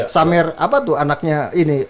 samer apa tuh anaknya ini